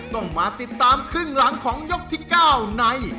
ต้องมาติดตามครึ่งหลังของยกที่๙ใน